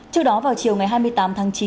trước đó vào chiều ngày hai mươi tám tháng chín